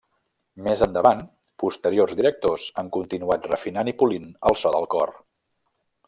Més endavant posteriors directors han continuat refinant i polint el so del cor.